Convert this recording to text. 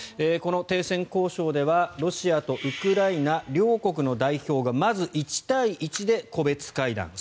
この停戦交渉ではロシアとウクライナ両国の代表がまず、１対１で個別会談。